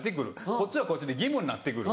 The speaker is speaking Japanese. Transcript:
こっちはこっちで義務になってくる。